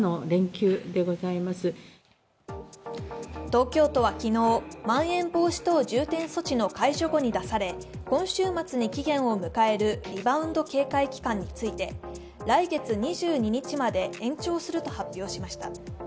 東京都は昨日、まん延防止等重点措置の解除後に出され今週末に期限を迎えるリバウンド警戒期間について来月２２日まで延長すると発表しました。